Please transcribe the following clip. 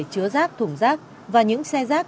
chứa rác thủng rác và những xe rác